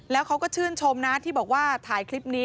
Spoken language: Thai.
แล้วเขาก็ชื่นชมนะที่บอกว่าถ่ายคลิปนี้